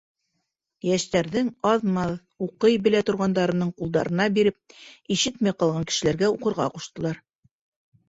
Йәштәрҙең аҙ-маҙ уҡый белә торғандарының ҡулдарына биреп, ишетмәй ҡалған кешеләргә уҡырға ҡуштылар.